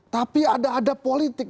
tapi ada ada politik